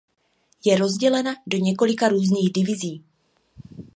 Je rozdělena do několika různých divizí.